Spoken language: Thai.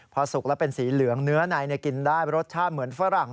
พอสุกแล้วเป็นสีเหลืองเนื้อในกินได้รสชาติเหมือนฝรั่ง